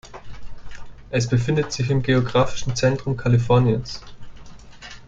Es befindet sich im geographischen Zentrum Kaliforniens.